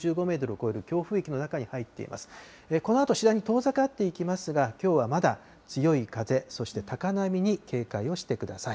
このあと次第に遠ざかっていきますが、きょうはまだ強い風、そして高波に警戒をしてください。